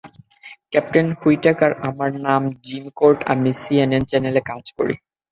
Captain Whitaker, আমার নাম Jim Court, আমি সিএনএন চ্যানেলে কাজ করি।